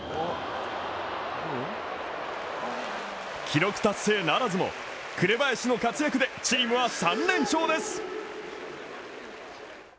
記録達成ならずも紅林の活躍でチームは３連勝です！